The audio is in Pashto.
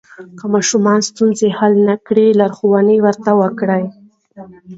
که ماشوم ستونزه حل نه کړي، لارښوونه ورته وکړئ.